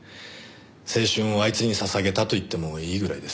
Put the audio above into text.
青春をあいつに捧げたと言ってもいいぐらいです。